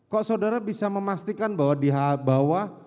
kok saudara bisa memastikan bahwa di bawah